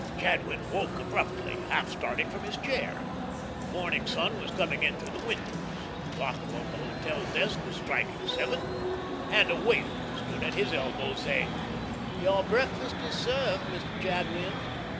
Jadwin woke abruptly, half starting from his chair. The morning sun was coming in through the windows; the clock above the hotel desk was striking seven, and a waiter stood at his elbow, saying: "Your breakfast is served, Mr. Jadwin."